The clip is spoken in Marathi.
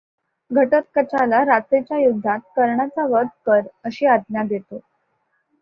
घटोत्कचाला रात्रीच्या युध्दात कर्णाचा वध कर अशी आज्ञा देतो.